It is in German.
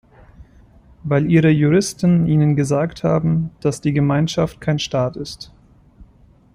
Weil Ihre Juristen Ihnen gesagt haben, dass die Gemeinschaft kein Staat ist.